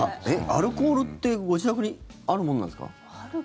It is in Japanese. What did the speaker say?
アルコールってご自宅にあるものなんですか？